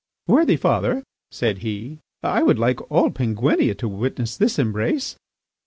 "Worthy father," said he, "I would like all Penguinia to witness this embrace."